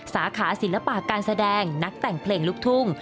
สาขาศิลปะการแสดงนักแต่งเพลงลูกทุ่ง